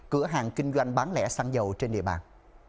cửa hàng kinh doanh bán lẻ xăng dầu trên địa bàn